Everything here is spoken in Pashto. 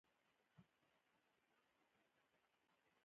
ازادي راډیو د ټولنیز بدلون پر وړاندې د حل لارې وړاندې کړي.